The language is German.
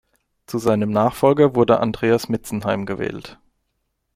Zu seinem Nachfolger wurde Andreas Mitzenheim gewählt.